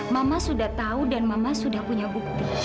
mama sudah tahu dan mama sudah punya bukti